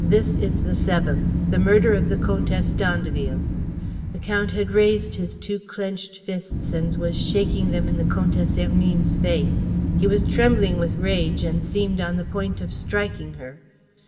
This is the seventh: the murder of the Comtesse d'Andeville." The count had raised his two clenched fists and was shaking them in the Comtesse Hermine's face. He was trembling with rage and seemed on the point of striking her.